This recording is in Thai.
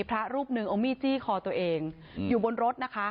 พระรูปหนึ่งเอามีดจี้คอตัวเองอยู่บนรถนะคะ